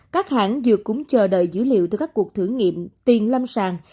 các hãng dược cũng chờ đợi dữ liệu từ các cuộc thử nghiệm tiền lâm sàng